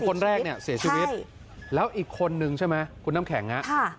คนแรกเนี่ยเสียชีวิตแล้วอีกคนนึงใช่ไหมคุณน้ำแข็งฮะ